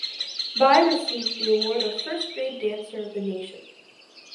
Bai received the award of First Grade Dancer of the Nation.